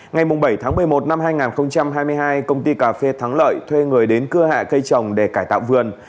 ngày bảy tháng một mươi một năm hai nghìn hai mươi hai công ty cà phê thắng lợi thuê người đến cưa hạ cây trồng để cải tạo vườn